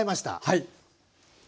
はい。